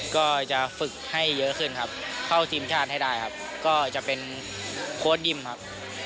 ก็จะฝึกให้เยอะขึ้นครับเข้าทีมชาติให้ได้ครับก็จะเป็นโค้ดยิมครับ